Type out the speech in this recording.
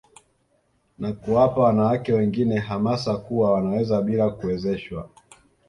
Na kuwapa wanawake wengine hamasa kuwa wanaweza bila kuwezeshwa